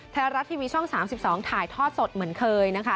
ไทยรัฐทีวีช่อง๓๒ถ่ายทอดสดเหมือนเคยนะคะ